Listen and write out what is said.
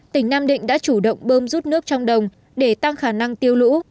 tỉnh nam định đã chủ động bơm rút nước trong đồng để tăng khả năng tiêu lũ